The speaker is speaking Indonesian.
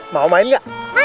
mau main gak